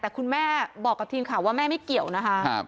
แต่คุณแม่บอกกับทีมข่าวว่าแม่ไม่เกี่ยวนะคะ